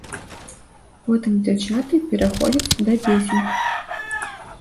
Потым дзяўчаты пераходзяць да песень.